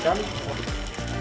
kalau kayak gini tenangin